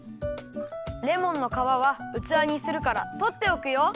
レモンのかわはうつわにするからとっておくよ。